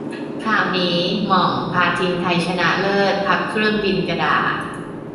ข่าวนี้ - หม่อง พาทีมไทยชนะเลิศพับเครื่องบินกระดาษ